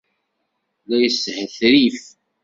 La yeshetrif!